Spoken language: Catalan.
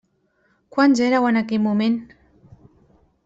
Quants éreu en aquell moment?